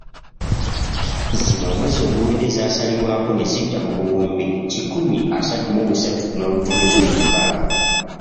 Zino omwezi oguwedde zasalibwako ne zidda ku buwumbi kikumi asatu mu busatu n'obutundutundu mukaaga.